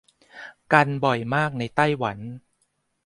กันบ่อยมากในไต้หวัน